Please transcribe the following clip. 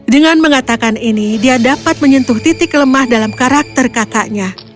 dengan mengatakan ini dia dapat menyentuh titik lemah dalam karakter kakaknya